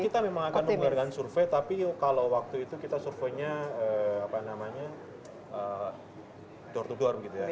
kita memang akan mengadakan survey tapi kalau waktu itu kita survey nya door to door gitu ya